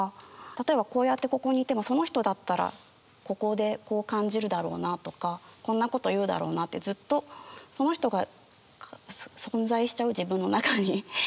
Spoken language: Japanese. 例えばこうやってここにいてもその人だったらここでこう感じるだろうなとかこんなこと言うだろうなってずっとその人が存在しちゃう自分の中に。